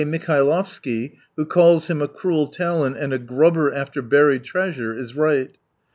Mikhailovsky, who calls him a cruel talent and a grubber after buried treasure, is right.